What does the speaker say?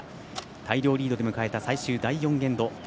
大量リードで迎えた最終第４エンド。